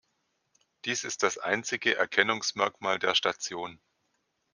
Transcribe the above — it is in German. Dies ist das einzige Erkennungsmerkmal der Station.